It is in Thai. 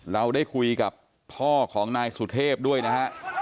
เราได้คุยกับพ่อของนายสุเทพด้วยนะฮะ